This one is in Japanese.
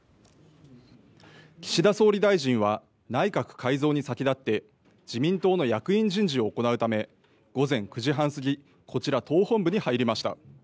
岸田総理大臣は内閣改造に先立って自民党の役員人事を行うため午前９時半過ぎこちら党本部に入りました。